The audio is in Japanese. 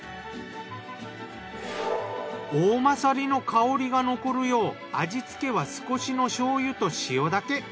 おおまさりの香りが残るよう味付けは少しの醤油と塩だけ。